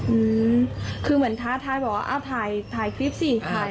อืมคือเหมือนท้าทายบอกว่าอ่าถ่ายถ่ายคลิปสิถ่าย